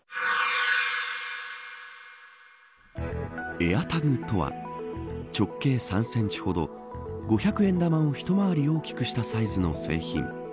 エアタグとは直径３センチほど５００円玉を一回り大きくしたサイズの製品。